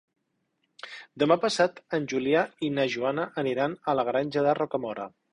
Demà passat en Julià i na Joana aniran a la Granja de Rocamora.